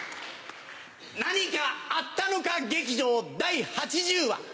何かあったのか劇場第８０話。